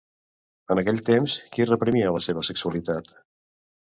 En aquell temps, qui reprimia la seva sexualitat?